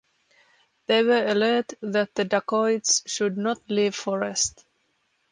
They were alert that the dacoits should not leave forest.